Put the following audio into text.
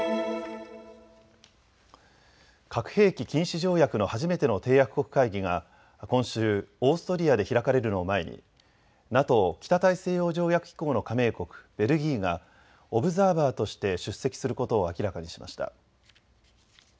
核兵器禁止条約の初めての締約国会議が今週、オーストリアで開かれるのを前にＮＡＴＯ・北大西洋条約機構の加盟国ベルギーがオブザーバーとして出席することを明らかにしました。